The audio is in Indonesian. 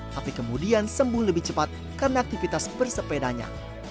tapi kemudian sembuh lebih cepat karena aktivitas bersepedanya